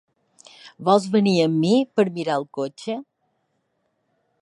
Vols venir amb mi per mirar el cotxe?